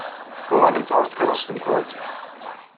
Uɣalemt ɣer tkeṛṛust-nwent!